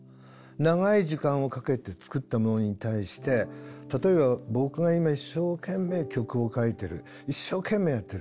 長い時間をかけて作ったものに対して例えば僕が今一生懸命曲を書いてる一生懸命やってる。